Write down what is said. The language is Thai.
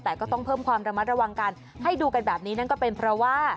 แต่ก็ต้องเพิ่มความระมัดระวังกันให้ดูกันแบบนี้นั่นก็เป็นเพราะว่า